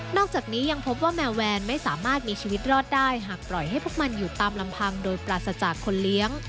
อกจากนี้ยังพบว่าแมวแวนไม่สามารถมีชีวิตรอดได้หากปล่อยให้พวกมันอยู่ตามลำพังโดยปราศจากคนเลี้ยง